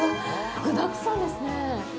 具だくさんですね。